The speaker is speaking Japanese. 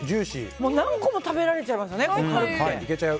何個も食べられちゃいますよね軽くて。